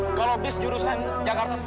kalau bis jurusan jakarta